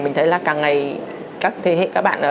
mình thấy là càng ngày các thế hệ các bạn